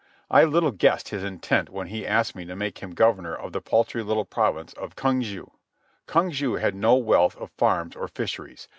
I little guessed his intent when he asked me to make him governor of the paltry little province of Kyong ju. Kyong ju had no wealth of farms or fisheries.